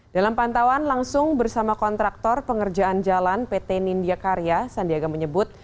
dalam pantauan langsung bersama kontraktor pengerjaan jalan pt nindya karya sandiaga menyebut